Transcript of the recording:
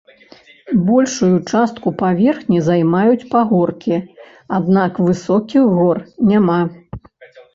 Большую частку паверхні займаюць пагоркі, аднак высокіх гор няма.